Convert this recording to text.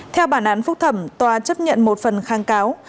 theo bản án phúc thẩm tòa chấp nhận một phần kháng cáo